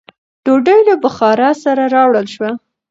ډوډۍ له بخاره سره راوړل شوه.